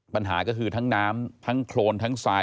ปัญหาก็คือทั้งน้ำทั้งโครนทั้งทราย